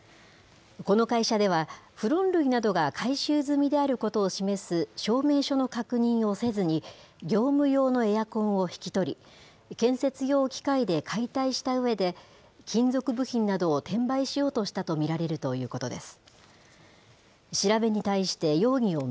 この会社では、フロン類などが回収済みであることを示す、証明書の確認をせずに、業務用のエアコンを引き取り、建設用機械で解体したうえで、金属部品などを転売しようとしたと見られるということです。